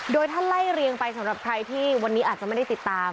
โดยถ้าไล่เรียงไปสำหรับใครที่วันนี้อาจจะไม่ได้ติดตาม